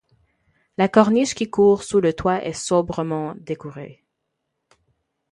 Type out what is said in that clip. La corniche qui court sous le toit est sobrement décorée.